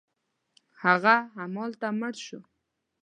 هغه همالته مړ شو.